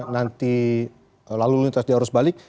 nanti lalu lintas di arus balik